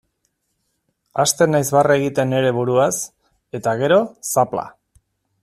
Hasten naiz barre egiten nire buruaz, eta gero, zapla.